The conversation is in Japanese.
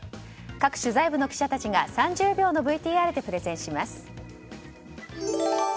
各取材部の記者たちが３０秒のＶＴＲでプレゼンします。